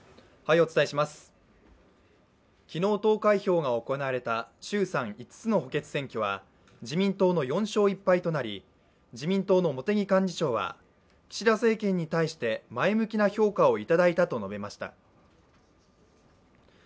昨日、投開票が行われた衆参５つの補欠選挙は自民党の４勝１敗となり、自民党の茂木幹事長は岸田政権に対して前向きな評価をいただいたと述べました。